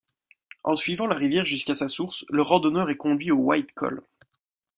En suivant la rivière jusqu’à sa source, le randonneur est conduit au ‘White Col’